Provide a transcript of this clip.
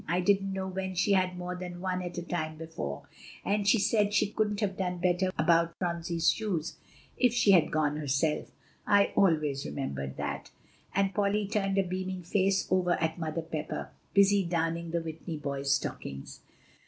I don't know when we'd had more than one at a time before; and she said she couldn't have done better about Phronsie's shoes if she had gone herself I always remembered that;" and Polly turned a beaming face over at Mother Pepper, busy darning the Whitney boys' stockings.